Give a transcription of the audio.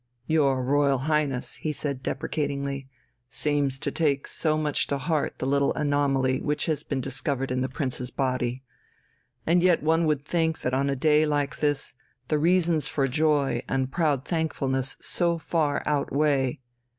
"Your Royal Highness," he said deprecatingly, "seems to take so much to heart the little anomaly which has been discovered in the Prince's body, ... and yet one would think that on a day like this the reasons for joy and proud thankfulness so far outweigh